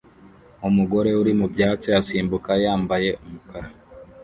Umugore uri mu byatsi asimbuka yambaye umukara